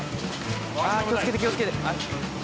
ああ気をつけて気をつけて。